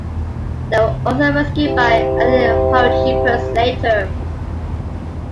They were also rescued by Allied paratroopers later.